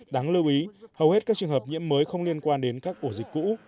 đáng lưu ý hầu hết các trường hợp nhiễm mới không liên quan đến các ổ dịch cũ